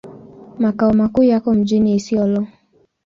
Makao makuu yako mjini Isiolo.